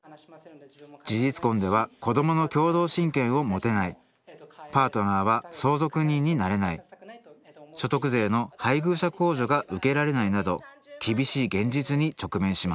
事実婚では子どもの共同親権を持てないパートナーは相続人になれない所得税の配偶者控除が受けられないなど厳しい現実に直面します